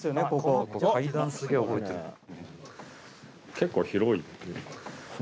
結構広い。